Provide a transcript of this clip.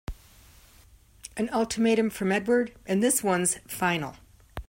An ultimatum from Edward and this one's final!